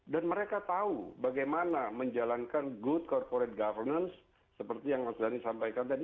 dan mereka tahu bagaimana menjalankan good corporate governance seperti yang mas dhani sampaikan tadi